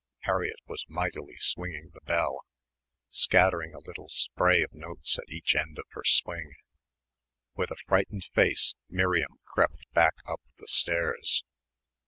Harriett was mightily swinging the bell, scattering a little spray of notes at each end of her swing. With a frightened face Miriam crept back up the stairs.